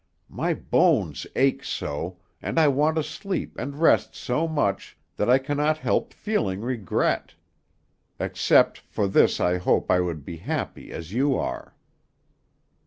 My bones ache so, and I want to sleep and rest so much, that I cannot help feeling regret; except for this I hope I would be happy as you are."